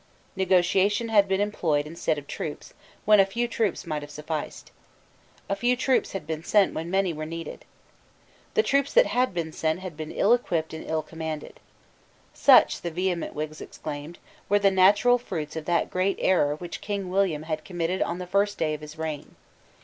Negotiation had been employed instead of troops, when a few troops might have sufficed. A few troops had been sent when many were needed. The troops that had been sent had been ill equipped and ill commanded. Such, the vehement Whigs exclaimed, were the natural fruits of that great error which King William had committed on the first day of his reign.